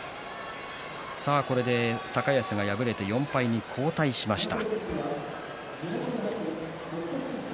さあ、これで高安が敗れて４敗に後退しました。